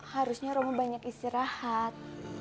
harusnya romo banyak istirahat